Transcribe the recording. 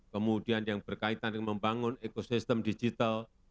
kemudian yang berkaitan dengan membangun ekosistem digital